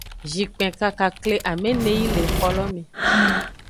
Zhinkpin kakakle amene yi le exo lo me.